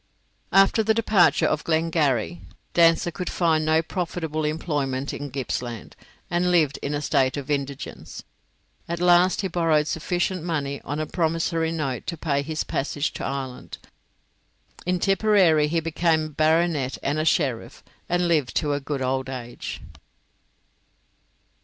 After the departure of Glengarry, Dancer could find no profitable employment in Gippsland, and lived in a state of indigence. At last he borrowed sufficient money on a promissory note to pay his passage to Ireland. In Tipperary he became a baronet and a sheriff, and lived to a good old age.